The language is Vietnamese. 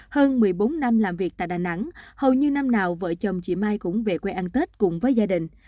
hơn một mươi bốn năm làm việc tại đà nẵng hầu như năm nào vợ chồng chị mai cũng về quê ăn tết cùng với gia đình